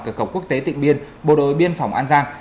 cửa khẩu quốc tế tịnh biên bộ đội biên phòng an giang